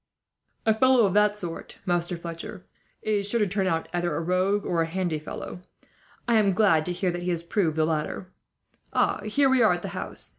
"A fellow of that sort, Master Fletcher, is sure to turn out either a rogue or a handy fellow. I am glad to hear that he has proved the latter. "Here we are at the house.